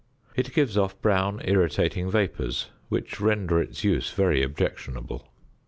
It gives off brown irritating vapours, which render its use very objectionable.